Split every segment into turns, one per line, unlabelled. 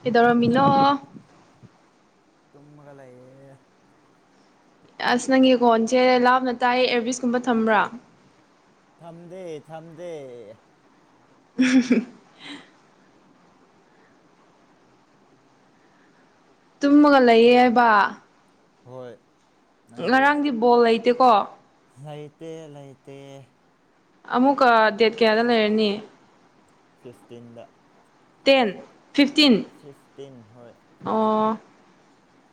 ꯀꯩꯗꯧꯔꯝꯃꯤꯅꯣ
ꯇꯨꯝꯃꯒ ꯂꯩꯌꯦ
ꯑꯁ ꯅꯪꯒꯤ ꯀꯣꯟꯁꯦ ꯂꯥꯞꯅ ꯇꯥꯏ ꯑꯦꯔꯕꯤꯁꯀꯨꯝꯕ ꯊꯝꯕ꯭ꯔꯥ
ꯊꯝꯗꯦ ꯊꯝꯗꯦ
[inaudible] ꯇꯨꯝꯃꯒ ꯂꯩꯌꯦ ꯍꯥꯏꯕ
ꯍꯣꯏ
ꯉꯔꯥꯡꯗꯤ ꯕꯣꯜ ꯂꯩꯇꯦꯀꯣ
ꯂꯩꯇꯦ ꯂꯩꯇꯦ
ꯑꯃꯨꯛꯀ ꯗꯦꯠ ꯀꯌꯥꯗ ꯂꯩꯔꯅꯤ
ꯐꯤꯐꯇꯤꯟꯗ
ꯇꯦꯟ ꯐꯤꯐꯇꯤꯟ
ꯐꯤꯐꯇꯤꯟ ꯍꯣꯏ
ꯑꯣ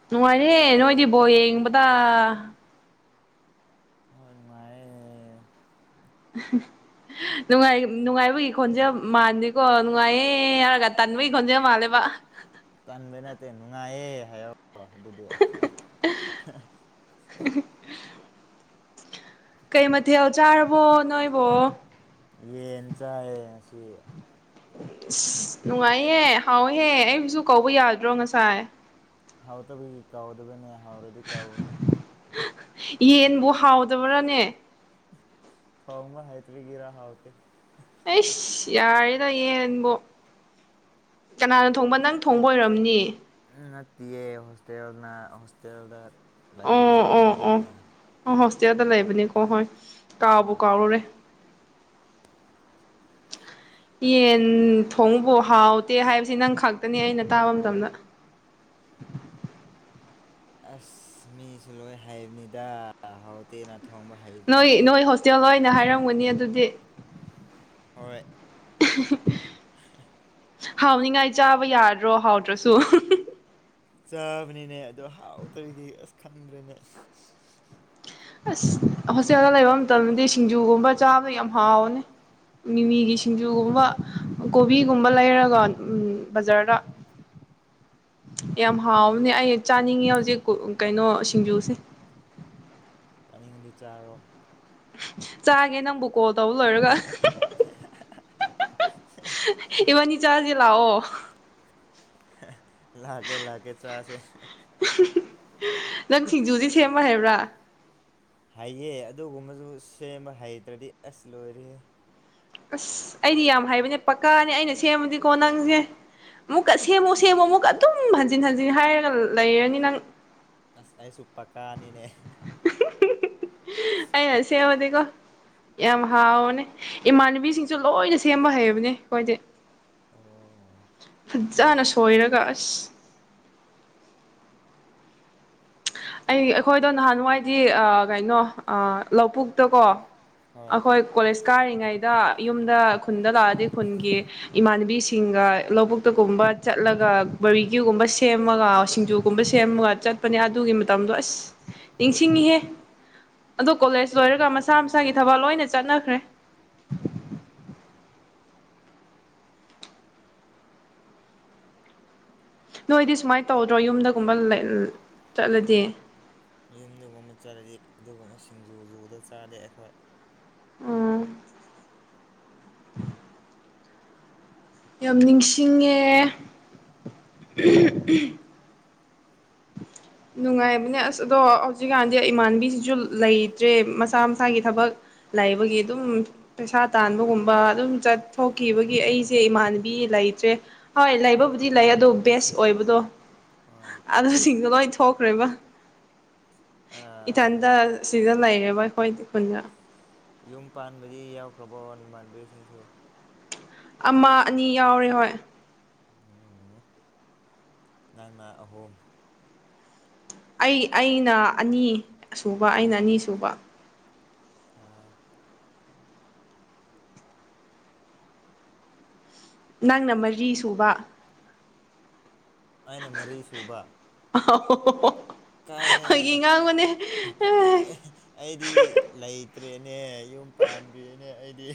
ꯅꯨꯡꯉꯥꯏꯔꯦ ꯅꯣꯏꯗꯤ ꯕꯣꯜ ꯌꯦꯡꯕꯗ
ꯍꯣꯢ ꯅꯨꯡꯉꯥꯏꯌꯦ
ꯅꯨꯡꯉꯥꯏ ꯅꯨꯡꯉꯥꯏꯕꯒꯤ ꯈꯣꯟꯖꯦꯟ ꯃꯥꯟꯗꯦꯀꯣ ꯅꯨꯡꯉꯥꯏꯌꯦ ꯍꯥꯏꯔꯒ ꯇꯟꯕꯩ ꯈꯣꯟꯖꯦꯜ ꯃꯥꯜꯂꯦ
ꯇꯟꯕ ꯅꯠꯇꯦ ꯅꯨꯡꯉꯥꯏꯌꯦ ꯍꯥꯏꯑꯣ ꯑꯗꯨꯗꯤ ꯍ [inaudible]
ꯎ [inaudible] ꯀꯩ ꯃꯊꯦꯜ ꯆꯥꯔꯕꯣ ꯅꯣꯏꯕꯣ
ꯌꯦꯟ ꯆꯥꯏꯌꯦ ꯉꯥꯁꯤ
ꯑꯁ ꯅꯨꯡꯉꯥꯏꯌꯦ ꯍꯥꯎꯍꯦ ꯑꯩꯕꯨꯁꯨ ꯀꯧꯕ ꯌꯥꯗ꯭ꯔꯣ ꯉꯁꯥꯏ
ꯍꯥꯎꯇꯕꯒꯤ ꯀꯥꯎꯗꯕꯅꯦ ꯍꯥꯎꯔꯗꯤ ꯀꯥꯎꯒꯅꯤ
ꯌꯦꯟꯕꯨ ꯍꯥꯎꯗꯕ꯭ꯔꯥꯅꯦ
ꯊꯣꯡꯕ ꯍꯩꯇꯕꯒꯤꯔꯥ ꯍꯥꯎꯇꯦ
ꯑꯩꯁ ꯌꯥꯔꯦꯗ ꯌꯦꯟꯕꯣ ꯀꯅꯥꯅ ꯊꯣꯡꯕ ꯅꯪ ꯊꯣꯡꯕ ꯑꯣꯏꯔꯝꯅꯤ
ꯅꯠꯇꯤꯌꯦ ꯍꯣꯁꯇꯦꯜꯅ ꯍꯣꯁꯇꯦꯜꯗ ꯂꯩꯕ ꯃꯤꯅ ꯀꯣꯛ ꯍꯣꯏ
ꯌꯦꯟ ꯊꯣꯡꯕꯨ ꯍꯥꯎꯇꯦ ꯍꯥꯏꯕꯁꯦ ꯅꯪꯈꯛꯇꯅꯦ ꯑꯩꯅ ꯇꯥꯕ ꯃꯇꯝꯗ
ꯑꯁ ꯃꯤꯁꯨ ꯂꯣꯏ ꯍꯥꯏꯕꯅꯤꯗ ꯍꯥꯎꯇꯦꯅ ꯊꯣꯡꯕ
ꯅꯣꯏ ꯅꯣꯏ ꯍꯣꯁꯇꯦꯜꯗꯣ ꯑꯩꯅ ꯍꯥꯏꯔꯝꯒꯅꯤ ꯑꯗꯨꯗꯤ
ꯍꯣꯏ
[inaudible]
[inaudible]
ꯍꯥꯎꯅꯤꯉꯥꯏ ꯆꯥꯕ ꯌꯥꯗ꯭ꯔꯣ ꯍꯥꯎꯗ꯭ꯔꯁꯨ
ꯆꯥꯕꯅꯤꯅꯦ ꯑꯗꯣ ꯍꯥꯎꯇꯕꯒꯤ ꯑꯁ ꯈꯪꯗ꯭ꯔꯦꯅꯦ ꯑꯁ
ꯑꯁ ꯍꯣꯁꯇꯦꯜꯗ ꯂꯩꯕ ꯃꯇꯝꯗꯗꯤ ꯁꯤꯡꯖꯨꯒꯨꯝꯕ ꯆꯥꯕꯗ ꯌꯥꯝ ꯍꯥꯎꯋꯅꯤ ꯃꯤꯃꯤꯒꯤ ꯁꯤꯡꯖꯨꯒꯨꯝꯕ ꯀꯣꯕꯤꯒꯨꯝꯕ ꯂꯩꯔꯒ ꯎꯝ ꯕꯖꯥꯔꯗ ꯌꯥꯝ ꯍꯥꯎꯕꯅꯦ ꯑꯩ ꯆꯥꯅꯤꯡꯉꯦ ꯍꯧꯖꯤꯛ ꯀꯩꯅꯣ ꯁꯤꯡꯖꯨꯁꯦ
ꯆꯥꯅꯤꯡꯑꯗꯤ ꯆꯥꯔꯣ
ꯆꯥꯒꯦ ꯅꯪꯕꯨ ꯀꯣꯜ ꯇꯧꯕ ꯂꯣꯏꯔꯒ ꯏꯕꯥꯅꯤ ꯆꯥꯖꯤ ꯂꯥꯛꯑꯣ
ꯂꯥꯛꯀꯦ ꯂꯥꯛꯀꯦ ꯆꯥꯁꯦ
ꯅꯪ ꯁꯤꯡꯖꯨꯗꯤ ꯁꯦꯝꯕ ꯍꯩꯕ꯭ꯔꯥ
ꯍꯩꯌꯦ ꯑꯗꯨꯒꯨꯝꯕꯁꯨ ꯁꯦꯝꯕ ꯍꯩꯇ꯭ꯔꯗꯤ ꯑꯁ ꯂꯣꯏꯔꯦꯍꯦ
ꯑꯁ ꯑꯩꯗꯤ ꯌꯥꯝ ꯍꯩꯕꯅꯦ ꯄꯀꯥꯅꯦ ꯑꯩꯅ ꯁꯦꯝꯃꯗꯤꯀꯣ ꯅꯪꯁꯦ ꯑꯃꯨꯛꯀ ꯁꯦꯝꯃꯨ ꯁꯦꯝꯃꯨ ꯑꯃꯨꯛꯀ ꯑꯗꯨꯝ ꯍꯟꯖꯤꯟ ꯍꯟꯖꯤꯟ ꯍꯥꯏꯔꯒ ꯂꯩꯔꯅꯤ ꯅꯪ
ꯑꯁ ꯑꯩꯁꯨ ꯄꯀꯥꯅꯤꯅꯦ
ꯑꯩꯅ ꯁꯦꯝꯃꯗꯤꯀꯣ ꯌꯥꯝ ꯍꯥꯎꯕꯅꯦ ꯏꯃꯥꯟꯅꯕꯤꯁꯤꯡꯁꯨ ꯂꯣꯏꯅ ꯁꯦꯝꯕ ꯍꯩꯕꯅꯦ ꯈꯣꯏꯗꯤ ꯐꯖꯅ ꯁꯣꯏꯔꯒ ꯑꯁ [unintelligible] ꯑꯩ ꯑꯩꯈꯣꯏꯗꯣ ꯅꯍꯥꯟꯋꯥꯏꯗꯤ ꯑ ꯀꯩꯅꯣ ꯑ ꯂꯧꯄꯨꯛꯇꯀꯣ ꯑꯩꯈꯣꯏ ꯀꯣꯂꯦꯖ ꯀꯥꯔꯤꯉꯩꯗ ꯌꯨꯝꯗ ꯈꯨꯟꯗ ꯂꯥꯛꯑꯗꯤ ꯈꯨꯟꯒꯤ ꯏꯃꯥꯟꯅꯕꯤꯁꯤꯡꯒ ꯂꯧꯕꯨꯛꯇꯒꯨꯝꯕ ꯆꯠꯂꯒ ꯕꯔꯤꯗꯤꯌꯣ ꯒꯨꯝꯕ ꯁꯦꯝꯃꯒ ꯁꯤꯡꯖꯨ ꯒꯨꯝꯕ ꯁꯦꯝꯃꯒ ꯆꯠꯄꯅꯦ ꯑꯗꯨꯒꯤ ꯃꯇꯝꯗꯣ ꯑꯁ ꯅꯤꯡꯁꯤꯡꯉꯤꯍꯦ ꯑꯗꯣ ꯀꯣꯂꯦꯖ ꯂꯣꯏꯔꯒ ꯃꯁꯥ ꯃꯁꯥꯒꯤ ꯊꯕꯛ ꯂꯣꯏꯅ ꯆꯠꯅꯈ꯭ꯔꯦ
ꯎꯝ
ꯅꯣꯏꯗꯤ ꯁꯨꯃꯥꯏ ꯇꯧꯗ꯭ꯔꯣ ꯌꯨꯝꯗꯒꯨꯝꯕ ꯂꯩꯜ ꯆꯠꯂꯗꯤ
ꯌꯨꯝꯗꯒꯨꯝꯕ ꯆꯠꯂꯗꯤ ꯑꯗꯨꯒꯨꯝꯕ ꯁꯤꯡꯖꯨ ꯖꯨꯗ ꯆꯥꯗꯦ ꯑꯩꯈꯣꯏ
ꯎꯝ ꯌꯥꯝ ꯅꯤꯡꯁꯤꯡꯉꯦ ꯅꯨꯡꯉꯥꯏꯕꯅꯦ ꯑꯁ ꯑꯗꯣ ꯍꯧꯖꯤꯛꯀꯥꯟꯗꯤ ꯏꯃꯥꯟꯕꯤꯁꯤꯁꯨ ꯂꯩꯇ꯭ꯔꯦ ꯃꯁꯥ ꯃꯁꯥꯒꯤ ꯊꯕꯛ ꯂꯩꯕꯒꯤ ꯗꯨꯝ ꯄꯩꯁꯥ ꯇꯥꯟꯕꯒꯨꯝꯕ ꯑꯗꯨꯝ ꯆꯠꯊꯣꯛꯈꯤꯕꯒꯤ ꯑꯩꯁꯦ ꯏꯃꯥꯟꯅꯕꯤ ꯂꯩꯇ꯭ꯔꯦ ꯍꯣꯏ ꯂꯩꯕꯕꯨꯗꯤ ꯂꯩ ꯑꯗꯣ ꯕꯦꯁ ꯑꯣꯏꯕꯗꯣ ꯑꯁ ꯁꯤꯡꯗꯨ ꯂꯣꯏ ꯊꯣꯛꯈ꯭ꯔꯦꯕ ꯏꯊꯟꯇ ꯁꯤꯗ ꯂꯩꯔꯦꯕ ꯑꯩꯈꯣꯏꯗꯤ ꯈꯨꯟꯗ
ꯌꯨꯝ ꯄꯥꯟꯕꯗꯤ ꯌꯥꯎꯈ꯭ꯔꯕꯣ ꯅꯃꯥꯟꯅꯕꯤꯁꯤꯡꯁꯨ
ꯑꯃ ꯑꯅꯤ ꯌꯥꯎꯔꯦ ꯍꯣꯏ
ꯑꯣ ꯅꯪꯅ ꯑꯍꯨꯝ
ꯑꯩ ꯑꯩꯅ ꯑꯅꯤ ꯁꯨꯕ ꯑꯩꯅ ꯑꯅꯤꯁꯨꯕ
ꯑꯥ
ꯅꯪꯅ ꯃꯔꯤ ꯁꯨꯕ
ꯑꯩꯅ ꯃꯔꯤ ꯁꯨꯕ ꯀꯥꯏꯗꯩꯅꯣꯗ ꯑꯩꯗꯤ ꯂꯩꯇ꯭ꯔꯦꯅꯦ ꯌꯨꯝ ꯄꯥꯟꯗ꯭ꯔꯤꯌꯦꯅꯦ ꯑꯩꯗꯤ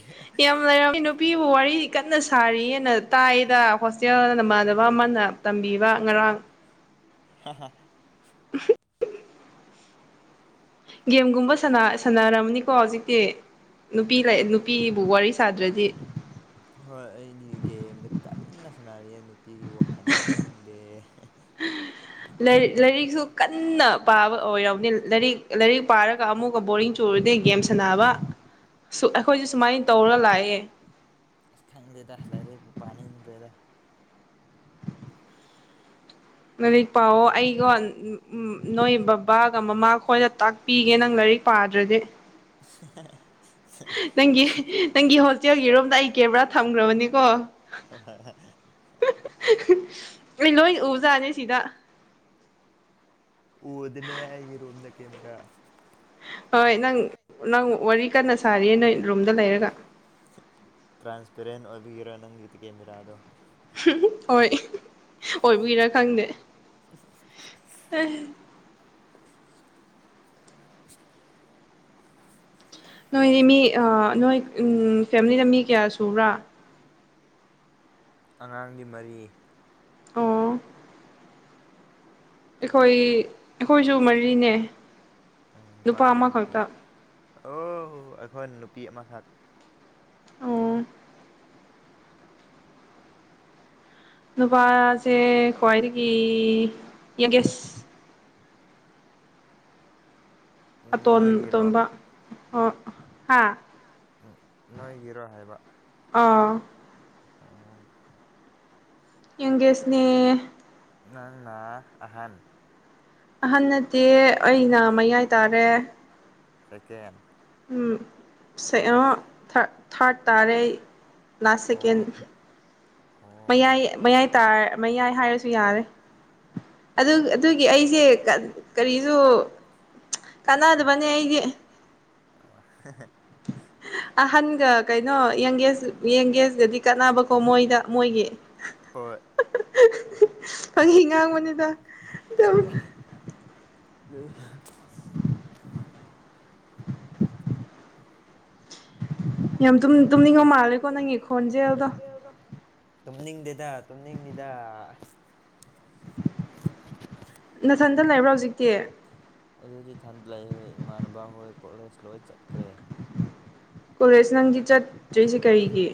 ꯌꯥꯝ ꯂꯩꯔꯝꯃꯤ ꯅꯨꯄꯤꯕꯨ ꯋꯥꯔꯤ ꯀꯟꯅ ꯁꯥꯔꯤꯑꯦꯅ ꯇꯥꯏꯗ ꯍꯣꯁꯇꯦꯜ ꯅꯃꯥꯟꯅꯕ ꯑꯃꯅ ꯇꯝꯕꯤꯕ ꯉꯔꯥꯡ꯫
ꯍꯦ ꯍꯦ꯫
[unintelligible] ꯒꯦꯝꯒꯨꯝꯕ ꯁꯥꯟꯅ ꯁꯥꯟꯅꯔꯝꯅꯤꯀꯣ ꯍꯧꯖꯤꯛꯇꯤ ꯅꯨꯄꯤ ꯂꯩ ꯅꯨꯄꯤꯕꯨ ꯋꯥꯔꯤ ꯁꯥꯗ꯭ꯔꯗꯤ꫰
ꯍꯣꯏ ꯑꯩꯅꯤ ꯒꯦꯝꯗ ꯀꯟꯅ ꯁꯥꯟꯅꯔꯤꯌꯦ ꯅꯨꯄꯤꯒꯤ ꯋꯥꯈꯜꯗ ꯆꯪꯗꯦ꯫
ꯂꯥꯏ ꯂꯥꯏꯔꯤꯛꯁꯨ ꯀꯟꯅ ꯄꯥꯕ ꯑꯣꯏꯔꯝꯅꯤ ꯂꯥꯏꯔꯤꯛ ꯂꯥꯏꯔꯤꯛ ꯄꯥꯔꯒ ꯑꯃꯨꯛ ꯑꯗꯨꯒ ꯕꯣꯔꯤꯡ ꯆꯨꯔꯨꯗꯦ ꯒꯦꯝ ꯁꯥꯟꯅꯕ ꯑꯩꯈꯣꯏꯁꯦ ꯁꯨꯃꯥꯏꯅ ꯇꯧꯔ ꯂꯥꯛꯑꯦ꯫
ꯑꯁ ꯈꯪꯗꯦꯗ ꯂꯥꯏꯔꯤꯛꯄꯨ ꯄꯥꯅꯤꯡꯗꯔꯦꯗ꯫
ꯂꯥꯏꯔꯤꯛ ꯄꯥꯑꯣ ꯑꯩꯒꯣ ꯅꯣꯏ ꯕꯕꯥꯒ ꯃꯃꯥ ꯈꯣꯏꯗ ꯇꯥꯛꯄꯤꯒꯦ ꯅꯪ ꯂꯥꯏꯔꯤꯛ ꯄꯥꯗ꯭ꯔꯗꯤ꯫
[unintelligible]
ꯅꯪꯒꯤ ꯅꯪꯒꯤ ꯍꯣꯁꯇꯦꯜꯒꯤ ꯔꯨꯝꯗ ꯑꯩ ꯀꯦꯃꯦꯔꯥ ꯊꯝꯈ꯭ꯔꯕꯅꯤꯀꯣ꯫
[unintelligible]
ꯑꯩ ꯂꯣꯏꯅ ꯎꯕꯖꯥꯠꯅꯤ ꯁꯤꯗ꯫
ꯎꯗꯦꯅꯦ ꯑꯩꯒꯤ ꯔꯨꯝꯗ ꯀꯦꯃꯦꯔꯥ꯫
ꯍꯣꯏ ꯅꯪ ꯅꯪ ꯋꯥꯔꯤ ꯀꯟꯅ ꯁꯥꯔꯤꯌꯦ ꯅꯣꯏ ꯔꯨꯝꯗ ꯂꯩꯔꯒ꯫
ꯇ꯭ꯔꯥꯟꯁꯄꯦꯔꯦꯟ ꯑꯣꯏꯕꯒꯔꯥ ꯅꯪꯒꯤꯗꯤ ꯀꯦꯃꯦꯔꯥꯗꯣ꯫
ꯍꯣꯏ ꯑꯣꯏꯕꯒꯤꯔ ꯈꯪꯗꯦ꯫
[unintelligible]
[unintelligible] ꯅꯣꯏꯗꯤ ꯃꯤ ꯑꯥ ꯅꯣꯏ ꯐꯦꯃꯤꯂꯤꯗ ꯃꯤ ꯀꯌꯥ ꯁꯨꯕ꯭ꯔ꯫
ꯑꯉꯥꯡꯒꯤ ꯃꯔꯤ꯫
ꯑꯣ꯫ ꯑꯩꯈꯣꯏ ꯑꯩꯈꯣꯏꯁꯨ ꯃꯔꯤꯅꯦ꯫
ꯎ ꯅꯨꯄꯥ ꯀꯌꯥ ꯅꯨꯨꯄꯤ ꯑꯣ ꯑꯩꯈꯣꯏ ꯅꯨꯄꯤ ꯑꯃꯈꯛ꯫
ꯅꯨꯄꯥꯁꯦ ꯈ꯭ꯋꯥꯏꯗꯒꯤ ꯌꯦꯒꯦꯁ꯫ ꯑꯇꯣꯟ ꯑꯇꯣꯟꯝꯕ ꯑꯣ ꯍꯥꯥ꯫
ꯎꯝ ꯅꯣꯏꯒꯤꯔꯣ ꯍꯥꯏꯕ ꯑꯥ ꯑꯣ꯫
ꯌꯪꯒꯦꯁꯅꯦ꯫
ꯅꯪꯅ ꯑꯍꯥꯟ꯫
ꯑꯍꯟ ꯅꯠꯇꯦ ꯑꯩꯅ ꯃꯌꯥꯏ ꯇꯥꯔꯦ꯫
ꯁꯦꯀꯦꯟ꯫
ꯎꯝ ꯁꯦ ꯑꯥ ꯊꯥꯔꯠ ꯇꯥꯔꯦ ꯑꯩ ꯂꯥꯁ ꯁꯦꯀꯦꯟ꯫ ꯃꯌꯥꯏ ꯃꯌꯥꯏꯥ ꯃꯌꯥꯏ ꯇꯥꯔ ꯍꯥꯏꯔꯁꯨ ꯌꯥꯔꯦ꯫ ꯑꯗꯨ ꯑꯗꯨꯒꯤ ꯑꯩꯁꯦ ꯀꯔꯤꯁꯨ꯫ ꯀꯅꯥ ꯑꯗꯕꯅꯦ ꯑꯩꯗꯤ꯫
ꯑꯣ꯫
[unintelligible] ꯑꯍꯟꯒ ꯀꯩꯅꯣ ꯌꯦꯡꯒꯦꯁ ꯌꯦꯡꯒꯦꯁꯒꯗꯤ ꯀꯥꯟꯅꯕꯀꯣ ꯃꯣꯏꯗ ꯃꯣꯏꯒꯤ꯫
ꯍꯣꯏ꯫
ꯐꯥꯒꯤ ꯉꯥꯡꯕꯅꯤꯗ꯫
[unintelligible]
ꯌꯥꯝ ꯇꯨꯝꯅꯤꯡ ꯇꯨꯝꯅꯤꯡꯕ ꯃꯥꯜꯂꯦꯀꯣ ꯅꯪꯒꯤ
ꯈꯣꯟꯖꯦꯜꯗꯣ ꯇꯨꯝꯅꯤꯡꯗꯦꯗ ꯇꯨꯝꯅꯤꯡꯅꯤꯗꯦꯗ
ꯅꯅꯥꯊꯟꯗ ꯂꯩꯕ꯭ꯔꯥ ꯍꯧꯖꯤꯛꯇꯤ
ꯍꯧꯖꯤꯛ ꯍꯧꯖꯤꯛ ꯊꯟꯗ ꯂꯩꯌꯦ ꯏꯃꯥꯟꯅꯕ ꯍꯣꯏ ꯀꯣꯂꯦꯖ ꯂꯣꯏ ꯆꯠꯈ꯭ꯔꯦ
ꯀꯣꯂꯦꯖ ꯅꯪꯗꯤ ꯆꯠꯇ꯭ꯔꯤꯁꯤ ꯀꯔꯤꯒꯤ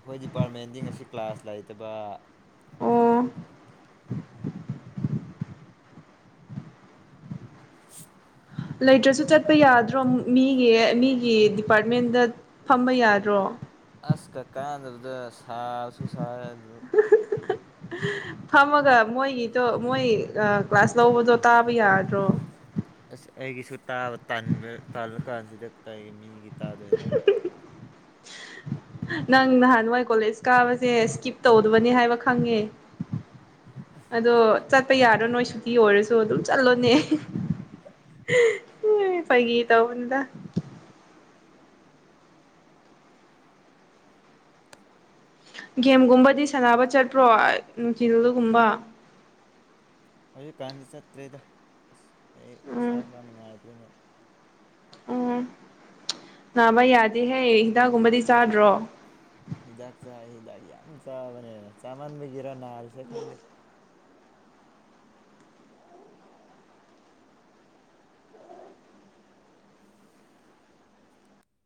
ꯑꯩꯈꯣꯏ ꯗꯤꯄꯥꯔꯠꯃꯦꯟꯗꯤ ꯉꯁꯤ ꯀ꯭ꯂꯥꯁ ꯂꯩꯇꯕ
ꯑꯣ ꯂꯩꯇ꯭ꯔꯁꯨ ꯆꯠꯄ ꯌꯥꯗ꯭ꯔꯣ ꯃꯤꯒꯤ ꯃꯤꯒꯤ ꯗꯤꯄꯥꯔꯠꯃꯦꯟꯗ ꯐꯝꯕ ꯌꯥꯗ꯭ꯔꯣ
ꯑꯁꯀ ꯀꯥꯟꯅꯗ ꯕꯗꯨꯅ ꯁꯥꯁꯨ ꯁꯥꯌꯦ
ꯐꯝꯃꯒ ꯃꯣꯏꯒꯤꯗꯣ ꯃꯣꯏ ꯑꯥ ꯀ꯭ꯂꯥꯁ ꯂꯧꯕꯗꯣ ꯇꯥꯕꯒꯤ
ꯑꯁ ꯑꯩꯒꯤꯁꯨ ꯇꯥꯕ ꯇꯟꯕ ꯇꯥꯜꯂꯛ ꯀꯥꯟꯁꯤꯗ ꯀꯔꯤ ꯃꯤꯒꯤ꯫ ꯇꯥꯗꯣꯏꯅꯣ꯫
ꯅꯪ ꯅꯍꯥꯟꯋꯥꯏ ꯀꯣꯂꯦꯖ ꯀꯥꯕꯁꯦ ꯀꯥꯕꯁꯦ ꯏꯁꯀꯤꯞ ꯇꯧꯗꯕꯅꯤ ꯍꯥꯏꯕ ꯈꯪꯉꯦ꯫ ꯑꯗꯣ ꯆꯠꯄ ꯌꯥꯗꯔꯣ ꯅꯣꯏ ꯁꯨꯇꯤ ꯑꯣꯏꯔꯁꯨ ꯑꯗꯨꯝ ꯆꯠꯂꯣꯅꯦ꯫ ꯐꯥꯒꯤ ꯇꯧꯕꯅꯤꯗ꯫ ꯒꯦꯝꯒꯨꯝꯕꯗꯤ ꯁꯥꯟꯅꯕ ꯆꯠꯄ꯭ꯔꯣ ꯅꯨꯡꯊꯤꯜꯗ ꯒꯨꯝꯕ
ꯍꯧꯖꯤꯛꯀꯥꯟꯗꯤ ꯆꯠꯇ꯭ꯔꯦꯗ ꯑꯁ ꯑꯩ ꯏꯁꯥ ꯈꯔ ꯅꯨꯡꯉꯥꯏꯗꯣꯏꯅꯦ
ꯑꯣ ꯅꯥꯕ ꯌꯥꯗꯦꯍꯦ ꯍꯤꯗꯥꯛꯒꯨꯝꯕꯗꯤ ꯆꯥꯗ꯭ꯔꯣ
ꯍꯤꯗꯥꯛ ꯆꯥꯏ ꯍꯤꯗꯥꯛ ꯌꯥꯝ ꯆꯥꯕꯅꯦ ꯆꯥꯃꯟꯕꯒꯤꯔ ꯅꯥꯔꯤꯁꯦ ꯈꯪꯗꯦ